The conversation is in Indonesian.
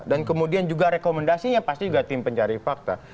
dan kemudian juga rekomendasinya pasti juga tim pencari fakta